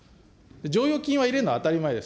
剰余金は入れるの当たり前です。